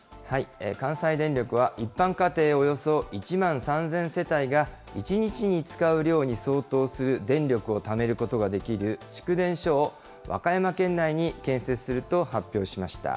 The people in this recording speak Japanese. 関西電力は、一般家庭およそ１万３０００世帯が１日に使う量に相当する電力をためることができる蓄電所を和歌山県内に建設すると発表しました。